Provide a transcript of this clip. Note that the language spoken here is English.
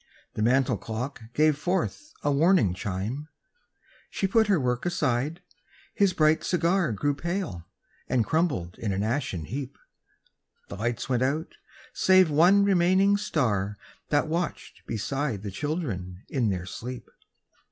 The mantel clock gave forth a warning chime. She put her work aside; his bright cigar Grew pale, and crumbled in an ashen heap. The lights went out, save one remaining star That watched beside the children in their sleep.